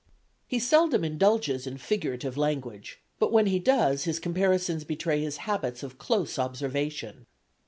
"He seldom indulges in figurative language; but when he does his comparisons betray his habits of close observation.